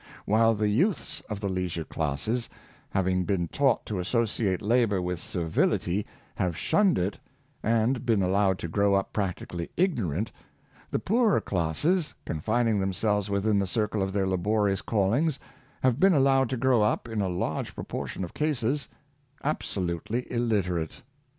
While the youths of the leis ure classes, having been taught to associate labor with servility, have shunned it, and been allowed to grow up practically ignorant, the poorer classes, confining them selves within the circle of their laborious callings, have been allowed to grow up, in a large proportion of cases, absolutely illiterate.